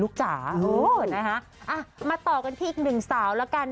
จ๋าเออนะคะอ่ะมาต่อกันที่อีกหนึ่งสาวแล้วกัน